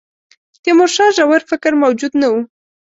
تیمورشاه ژور فکر موجود نه وو.